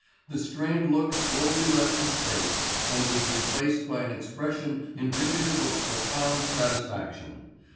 The strained look slowly left his face and was replaced by an expression indicative of profound satisfaction.